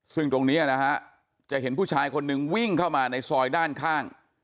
ซึ่งตรงนี้นะฮะจะเห็นผู้ชายคนหนึ่งวิ่งเข้ามาในซอยด้านข้าง